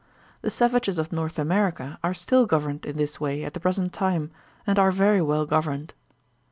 The savages of North America are still governed in this way at the present time, and are very well governed.